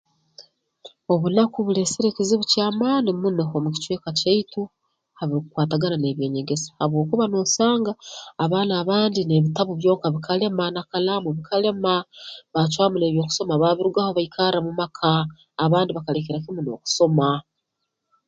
Obunaku buleesire ekizibu ky'amaani muno omu kicweka kyaitu ha birukukwatagana n'eby'enyegesa habwokuba noosanga abaana abandi n'ebitabu byonka bikalema na kalaamu bikalema bacwamu n'eby'okusoma baabirugaho baikarra mu maka abandi bakalekera kimu n'okusoma